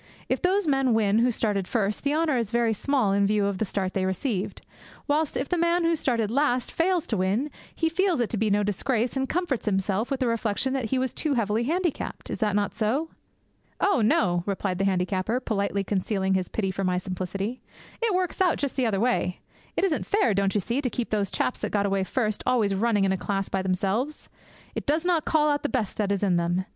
'If those men win who started first, the honour is very small in view of the start they received; whilst if the man who started last fails to win, he feels it to be no disgrace, and comforts himself with the reflection that he was too heavily handicapped. Is that not so?' 'Oh, no,' replied the handicapper, politely concealing his pity for my simplicity; 'it works out just the other way. It isn't fair, don't you see, to keep those chaps that got away first always running in a class by themselves. It does not call out the best that is in them.